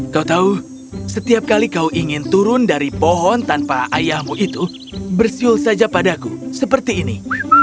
kau tahu setiap kali kau ingin turun dari pohon tanpa ayahmu itu bersiul saja padaku seperti ini